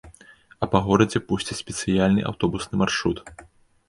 А па горадзе пусцяць спецыяльны аўтобусны маршрут.